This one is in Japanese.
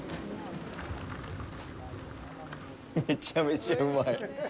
めちゃめちゃうまい。